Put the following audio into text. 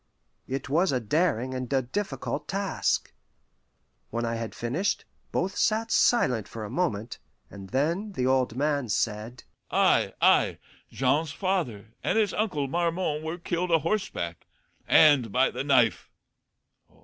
It was a daring and a difficult task. When I had finished, both sat silent for a moment, and then the old man said, "Ay, ay, Jean's father and his uncle Marmon were killed a horseback, and by the knife.